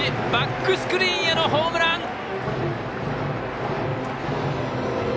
バックスクリーンへのホームラン。